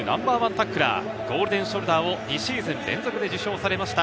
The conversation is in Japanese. タックラー、ゴールデンショルダーを２シーズン連続で受賞されました。